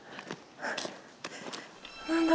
何だ？